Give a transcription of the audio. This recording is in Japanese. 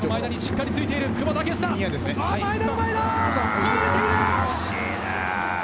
こぼれている！